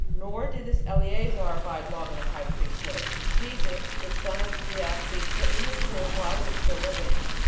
Nor did this Eleazar abide long in the high priesthood, Jesus, the son of Sie, being put in his room while he was still living.